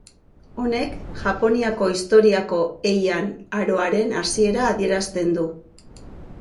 Honek, Japoniako historiako Heian aroaren hasiera adierazten du.